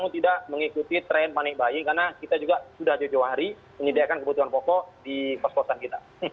seperti tren panik bayi karena kita juga sudah tujuan hari menyediakan kebutuhan pokok di kos kosan kita